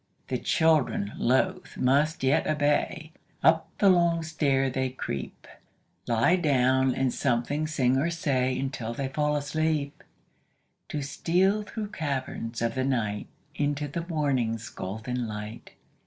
The children, loath, must yet obey; Up the long stair they creep; Lie down, and something sing or say Until they fall asleep, To steal through caverns of the night Into the morning's golden light.